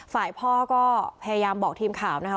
ฝ่ายพ่อก็พยายามบอกทีมข่าวนะคะ